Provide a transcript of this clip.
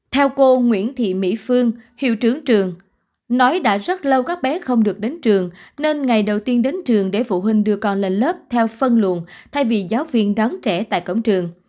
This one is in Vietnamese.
theo cô nguyễn thị mỹ phương hiệu trưởng trường nói đã rất lâu các bé không được đến trường nên ngày đầu tiên đến trường để phụ huynh đưa con lên lớp theo phân luận thay vì giáo viên đón trẻ tại cổng trường